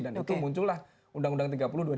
dan itu muncullah undang undang tiga puluh dua ribu dua